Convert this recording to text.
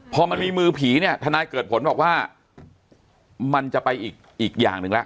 พอมันมีมือผีเนี่ยทนายเกิดผลบอกว่ามันจะไปอีกอย่างหนึ่งแล้ว